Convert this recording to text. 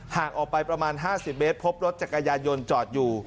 ห่างออกไปประมาณ๕๐เมตรพบรถจักรยานยนต์จอดอยู่